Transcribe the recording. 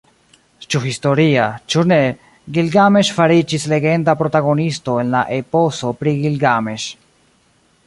Ĉu historia, ĉu ne, Gilgameŝ fariĝis legenda protagonisto en la "Eposo pri Gilgameŝ".